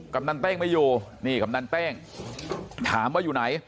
กำนันเต้งไม่อยู่นี่กำนันเต้งถามว่าอยู่ไหน